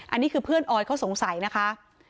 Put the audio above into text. อันนี้คือเพื่อนออยเขาสงสัยนะคะ